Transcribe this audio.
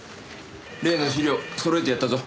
例の資料揃えてやったぞ。